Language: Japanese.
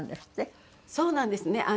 そうなんですね。